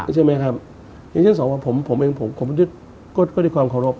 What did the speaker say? อย่างเช่นสอบวอร์ผมเองผมก็ด้วยความขอบรับ